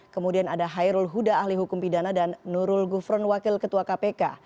kemudian ada hairul huda ahli hukum pidana dan nurul gufron wakil ketua kpk